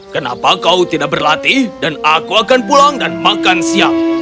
kenapa kau tidak berlatih dan aku akan pulang dan makan siang